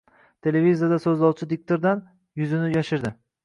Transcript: Televizorda so‘zlovchi diktordan... yuzini yashirdi.